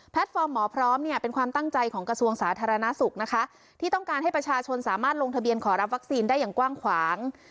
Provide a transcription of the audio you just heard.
ฟอร์มหมอพร้อมเนี่ยเป็นความตั้งใจของกระทรวงสาธารณสุขนะคะที่ต้องการให้ประชาชนสามารถลงทะเบียนขอรับวัคซีนได้อย่างกว้างขวาง